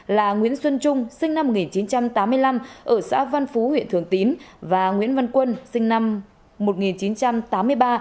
là nguyễn xuân trung sinh năm một nghìn chín trăm tám mươi năm ở xã văn phú huyện thường tín và nguyễn văn quân sinh năm một nghìn chín trăm tám mươi ba